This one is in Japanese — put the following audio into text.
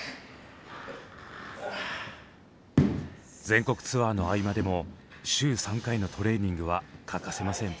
全国ツアーの合間でも週３回のトレーニングは欠かせません。